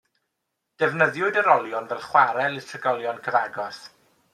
Defnyddiwyd yr olion fel chwarel i'r trigolion cyfagos.